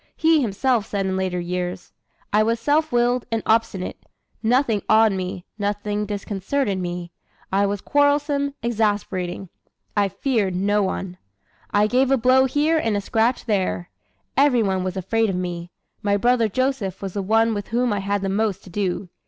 He himself said in later years: "I was self willed and obstinate, nothing awed me, nothing disconcerted me. I was quarrelsome, exasperating; I feared no one. I gave a blow here and a scratch there. Every one was afraid of me. My brother Joseph was the one with whom I had the most to do.